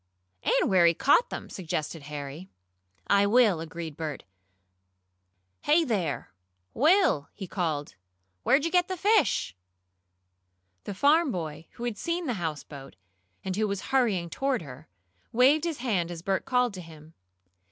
"And where he caught them," suggested Harry. "I will," agreed Bert. "Hey there, Will!" he called. "Where'd you get the fish?" The farm boy, who had seen the houseboat, and who was hurrying toward her, waved his hand as Bert called to him.